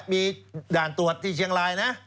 มีด่านตรวจที่เชียงรายนะ